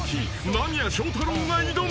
間宮祥太朗が挑む］